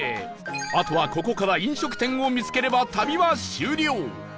あとはここから飲食店を見つければ旅は終了